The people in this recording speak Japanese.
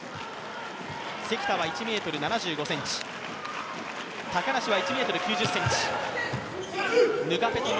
関田は１ｍ７５ｃｍ、高梨は１ｍ９０ｃｍ。